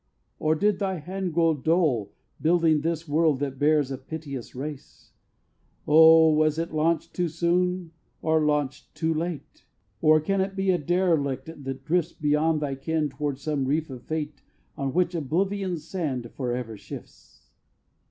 or did thy hand grow dull Building this world that bears a piteous race? O was it launched too soon or launched too late? Or can it be a derelict that drifts Beyond thy ken toward some reef of Fate On which Oblivion's sand forever shifts?"